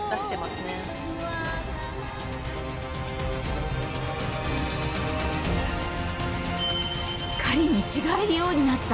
すっかり見違えるようになった崖っぷちさん。